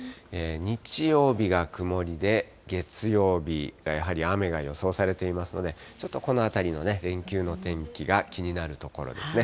日曜日が曇りで、月曜日、やはり雨が予想されていますので、ちょっとこのあたりの連休の天気が気になるところですね。